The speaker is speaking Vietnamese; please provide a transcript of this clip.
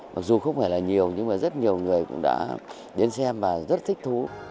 mặc dù không phải là nhiều nhưng mà rất nhiều người cũng đã đến xem và rất thích thú